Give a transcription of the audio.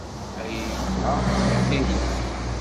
Aya yelha i tfekka-nnek.